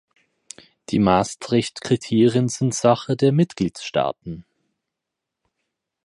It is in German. Die Maastricht-Kriterien sind Sache der Mitgliedstaaten.